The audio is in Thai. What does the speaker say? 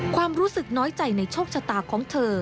ความรู้สึกน้อยใจในโชคชะตาของเธอ